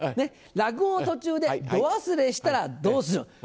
「落語の途中でド忘れしたらどうする？」。